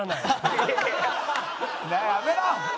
やめろ！